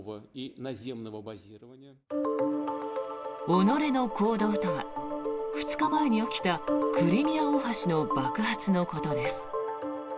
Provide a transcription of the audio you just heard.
己の行動とは２日前に起きたクリミア大橋の爆発のことです。